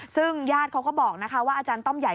ซึ่งญาติเขาก็บอกนะคะว่าอาจารย์ต้อมใหญ่